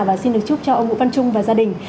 và xin được chúc cho ông vũ văn trung và gia đình